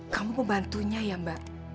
kamu pembantunya ya mbak